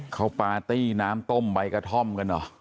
เขาปาร์ตี้น้ำต้มใบกระท่อมกันเหรอ